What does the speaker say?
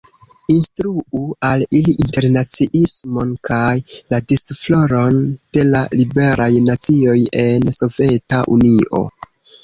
Instruu al ili internaciismon kaj la disfloron de la liberaj nacioj en Soveta Unio.